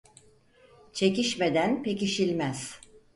Çekişmeden pekişilmez.